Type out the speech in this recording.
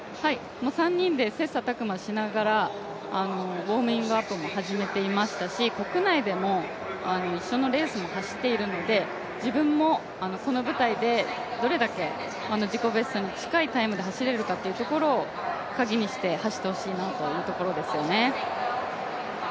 ３人で切磋琢磨しながらウォーミングアップも始めていましたし、国内でも一緒のレースも走っているので自分もこの舞台でどれだけ自己ベストに近いタイムで走れるかというところをカギにして走ってほしいなというところですよね。